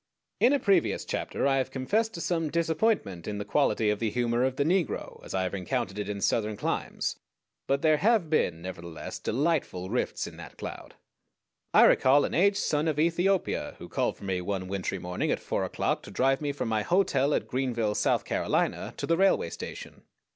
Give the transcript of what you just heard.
In a previous chapter I have confessed to some disappointment in the quality of the humor of the negro as I have encountered it in Southern climes; but there have been, nevertheless, delightful rifts in that cloud. I recall an aged son of Ethiopia who called for me one wintry morning at four o'clock to drive me from my hotel at Greenville, South Carolina, to the railway station.